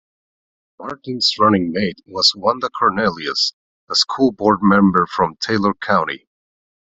Martin's running mate was Wanda Cornelius, a school board member from Taylor County.